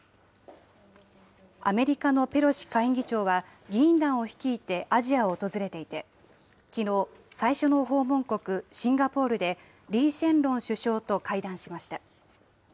アメリカのペロシ下院議長は、議員団を率いてアジアを訪れていて、きのう、最初の訪問国、シンガポールでリー・シェンロン首相と会談しました。